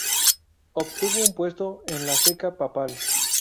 Obtuvo un puesto en la ceca papal.